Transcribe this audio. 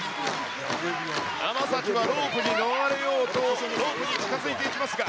天咲はロープに逃れようと、ロープに近づいていきますが、